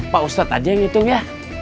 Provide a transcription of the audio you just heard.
pak ustadz aja yang ngitung ya